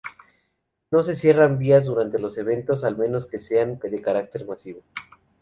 No se cierran vías durante los eventos al menos que sean de carácter masivo.